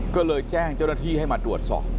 ก็เลยแจ้งเจ้าหน้าที่ให้มาตรวจสอบ